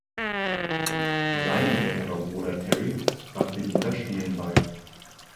Sein älterer Bruder Terry brachte ihm das Spielen bei.